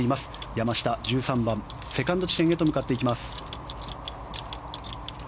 山下、１３番セカンド地点へ向かいます。